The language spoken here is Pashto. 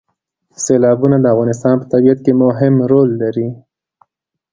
سیلابونه د افغانستان په طبیعت کې مهم رول لري.